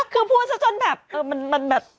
คือพูดซะจนแบบเออมันแบบ